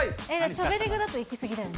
チョベリグだといき過ぎだよ